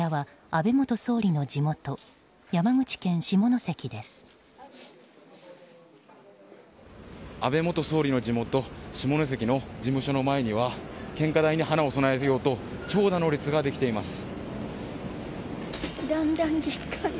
安倍元総理の地元・下関の事務所の前には献花台に花を供えようと長蛇の列ができています。